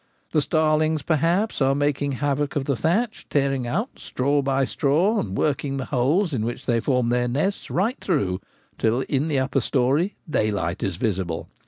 The starlings, perhaps, are making havoc of the thatch, tearing out straw by straw, and working the holes in which they form their nests right through, till in the upper story daylight is visible.